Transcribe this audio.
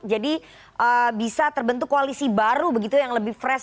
jadi bisa terbentuk koalisi baru begitu yang lebih fresh